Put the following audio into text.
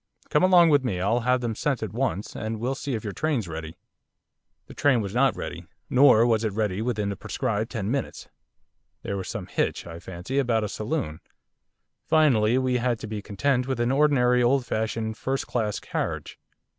Come along with me I'll have them sent at once, and we'll see if your train's ready.' The train was not ready, nor was it ready within the prescribed ten minutes. There was some hitch, I fancy, about a saloon. Finally we had to be content with an ordinary old fashioned first class carriage.